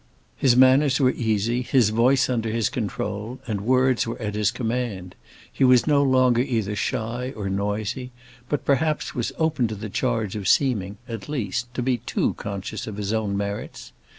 His manners were easy, his voice under his control, and words were at his command: he was no longer either shy or noisy; but, perhaps, was open to the charge of seeming, at least, to be too conscious of his own merits.